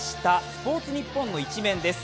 スポーツニッポンの１面です。